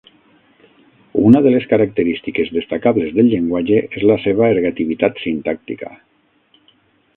Una de les característiques destacables del llenguatge és la seva ergativitat sintàctica.